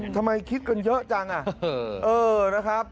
ทำไมคิดกันเยอะจังอ่ะ